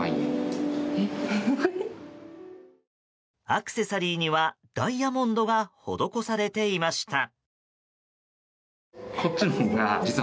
アクセサリーにはダイヤモンドが施されていました。